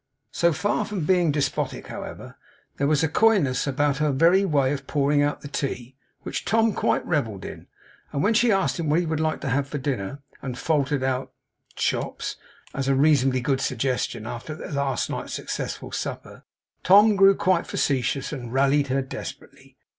So far from being despotic, however, there was a coyness about her very way of pouring out the tea, which Tom quite revelled in. And when she asked him what he would like to have for dinner, and faltered out 'chops' as a reasonably good suggestion after their last night's successful supper, Tom grew quite facetious, and rallied her desperately.